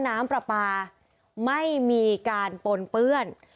น้ำปลาปลาไม่มีการปนเปื้อน